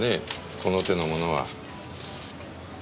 この手のものは。